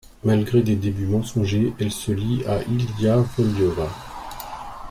Malgré des débuts mensongers, elle se lie à Ilia Volyova.